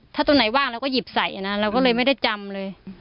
ถ้าตรงไหนว่างเราก็หยิบใส่นะเราก็เลยไม่ได้จำเลย